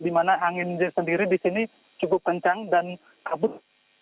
dimana angin sendiri di sini cukup kencang dan kabut